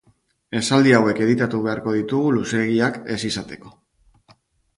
Esaldi hauek editatu beharko ditugu luzeegiak ez izateko.